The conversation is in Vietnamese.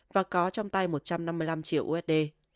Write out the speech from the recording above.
và có trong tay một trăm năm mươi năm triệu usd